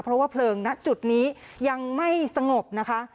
เพราะว่าเพลิงณจุดนี้ยังไม่สงบนะคะ